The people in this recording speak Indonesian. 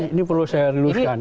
ini perlu saya reluskan